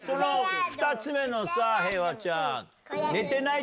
２つ目のさ平和ちゃん。